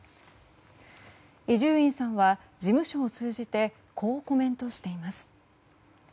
伊集院さんは事務所を通じてこうコメントしています。